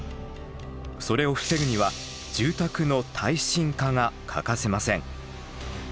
それを防ぐには住宅の耐震化が欠かせません。